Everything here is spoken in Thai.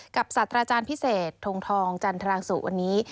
สัตว์อาจารย์พิเศษทงทองจันทรางสุวันนี้